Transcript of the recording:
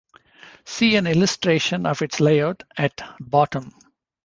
See an illustration of its layout, at bottom.